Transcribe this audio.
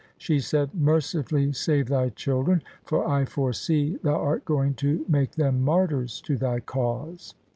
She said, ' Mercifully save thy children, for I foresee thou art going to make them martyrs to thy cause.'